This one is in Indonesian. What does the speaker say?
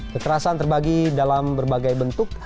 kekerasan terbagi dalam berbagai bentuk